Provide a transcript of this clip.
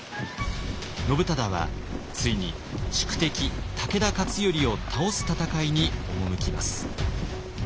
信忠はついに宿敵武田勝頼を倒す戦いに赴きます。